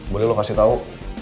boleh lo kasih tau